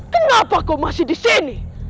kenapa kau masih di sini